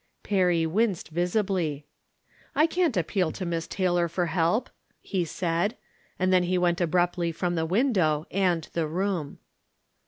Perry winced visibly. " I can't appeal to Miss Taylor for help !" he said ; and then he went abruptly from the win dow and the room.